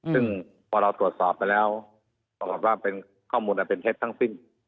ซึ่งพอเราตรวจสอบไปแล้วตรวจสอบว่าข้อมูลเป็นเท็จทั้งสิ้น